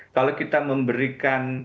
kalau kita memberikan